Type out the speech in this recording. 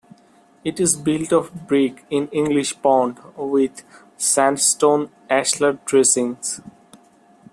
It is built of brick in English bond with sandstone ashlar dressings.